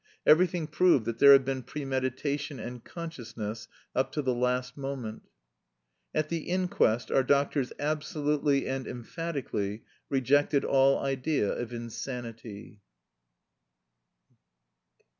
Everything proved that there had been premeditation and consciousness up to the last moment. At the inquest our doctors absolutely and emphatically rejected all idea of insanity.